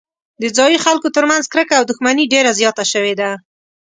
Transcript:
د ځايي خلکو ترمنځ کرکه او دښمني ډېره زیاته شوې ده.